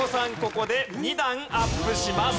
ここで２段アップします。